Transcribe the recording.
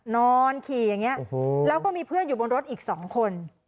นอนขี่อย่างนี้แล้วก็มีเพื่อนอยู่บนรถอีก๒คน